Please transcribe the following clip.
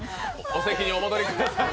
お席にお戻りください！